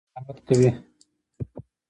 دوی به زموږ په اړه قضاوت کوي.